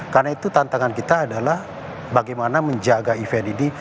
karena itu tantangan kita adalah bagaimana menjaga event ini